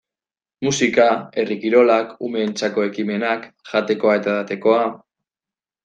Musika, herri kirolak, umeentzako ekimenak, jatekoa eta edatekoa...